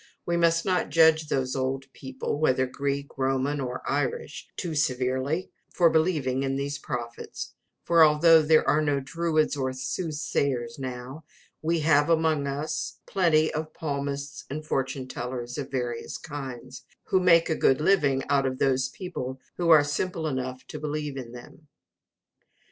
We must not judge those old people, whether Greek, Roman, or Irish, too severely for believing in these prophets; for although there are no druids or soothsayers now, we have amongst us plenty of palmists and fortune tellers of various kinds, who make a good living out of those people who are simple enough to believe in them.